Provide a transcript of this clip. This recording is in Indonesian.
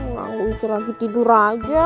mau itu lagi tidur aja